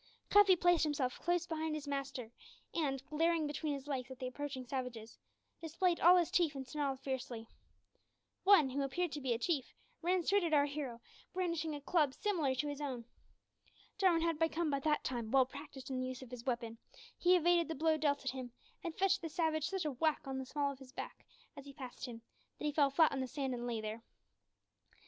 Cuffy placed himself close behind his master, and, glaring between his legs at the approaching savages, displayed all his teeth and snarled fiercely. One, who appeared to be a chief, ran straight at our hero, brandishing a club similar to his own. Jarwin had become by that time well practised in the use of his weapon; he evaded the blow dealt at him, and fetched the savage such a whack on the small of his back as he passed him, that he fell flat on the sand and lay there.